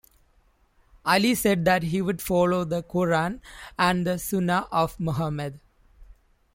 Ali said that he would follow the Quran and the Sunnah of Muhammed.